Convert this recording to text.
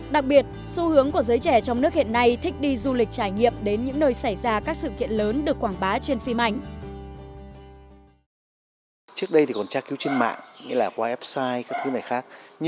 đặc biệt xu hướng của giới trẻ trong nước hiện nay thích đi du lịch trải nghiệm đến những nơi xảy ra các sự kiện lớn được quảng bá trên phim ảnh